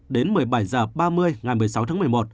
đến một mươi bảy h ba mươi ngày một mươi sáu tháng một mươi một